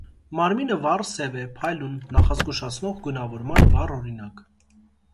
Մարմինը վառ սև է՝ փայլուն, նախազգուշացնող գունավորման վառ օրինակ։